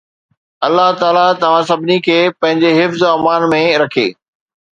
الله تعاليٰ توهان سڀني کي پنهنجي حفظ و امان ۾ رکي.